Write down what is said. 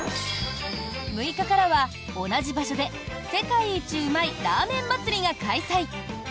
６日からは同じ場所で世界一美味いラーメン祭が開催。